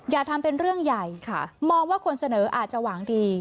อย่าทำเป็นเรื่องใหญ่มองว่าคนเสนออาจจะหวังดี